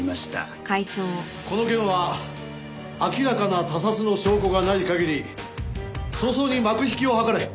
この件は明らかな他殺の証拠がない限り早々に幕引きを図れ。